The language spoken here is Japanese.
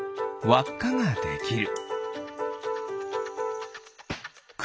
わっかができる。